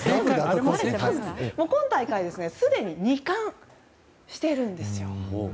今大会、すでに２冠しているんですよ。